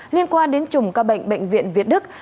liên quan đến chủng ca bệnh bệnh viện việt đức